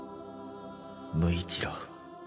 無一郎。